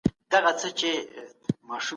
مشرک انسان ته بښنه نه کیږي.